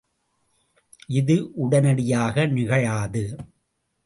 இது உடனடியாக நிகழாது.